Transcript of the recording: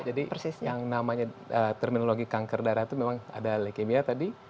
jadi mbak yang namanya terminologi kanker darah itu memang ada leukemia tadi